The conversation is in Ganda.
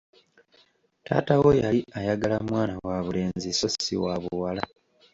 Taata wo yali ayagala mwana wa bulenzi sso si wa buwala.